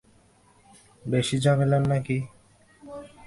বেশি ঝামেলার নাকি?